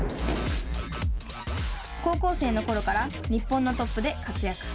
高校生のころから日本のトップで活躍。